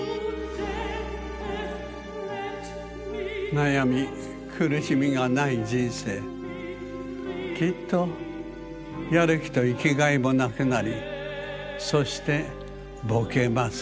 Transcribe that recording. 「悩み苦しみがない人生きっとやる気と生き甲斐もなくなりそしてボケます」。